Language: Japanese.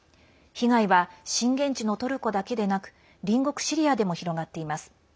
被害は震源地のトルコだけでなく隣国シリアでも広がっています。